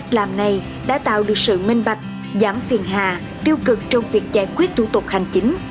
làm này đã tạo được sự minh bạch giảm phiền hà tiêu cực trong việc giải quyết thủ tục hành chính